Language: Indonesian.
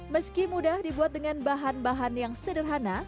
meski mudah dibuat dengan bahan bahan yang sederhana